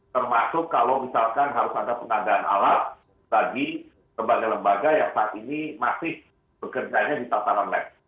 termasuk kalau misalkan harus ada pengadaan alat bagi lembaga lembaga yang saat ini masih bekerjanya di tataran lab